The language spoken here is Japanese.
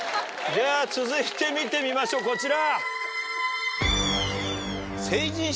続いて見てみましょうこちら。